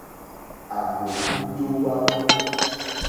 À mò wíjówá.